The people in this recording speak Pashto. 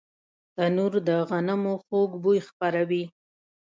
تنور د غنمو خوږ بوی خپروي